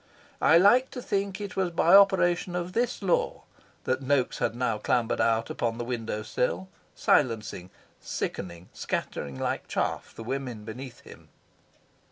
I like to think it was by operation of this law that Noaks had now clambered out upon the window sill, silencing, sickening, scattering like chaff the women beneath him.